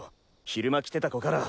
昼間来てた子から。